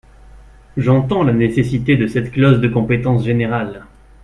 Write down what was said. J’entends la nécessité de cette clause de compétence générale.